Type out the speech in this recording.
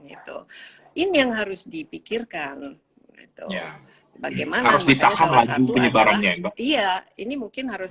itu ini yang harus dipikirkan bagaimana harus ditahan lagi penyebarannya ya ini mungkin harus